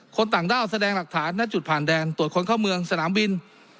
ต่างด้าวแสดงหลักฐานณจุดผ่านแดนตรวจคนเข้าเมืองสนามบิน